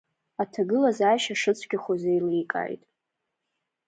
Аҭагылазаашьа шыцәгьахоз еиликааит.